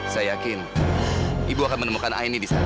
saya yakin ibu akan menemukan aini di sana